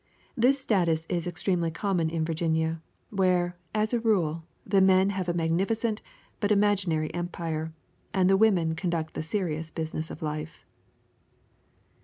This status is extremely common in Virginia, where, as a rule, the men have a magnificent but imaginary empire, and the women conduct the serious business of life.